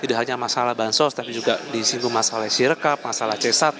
tidak hanya masalah bansos tapi juga disinggung masalah sirkap masalah c satu